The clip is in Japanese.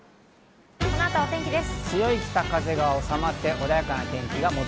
この後はお天気です。